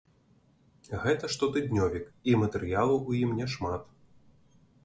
Гэта штотыднёвік, і матэрыялаў ў ім няшмат.